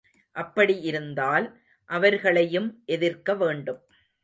அப்படி இருந்தால் அவர்களையும் எதிர்க்க வேண்டும்.